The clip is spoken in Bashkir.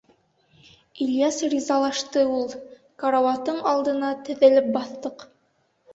— Ильяс ризалашты ул. Карауатың алдына теҙелеп баҫтыҡ.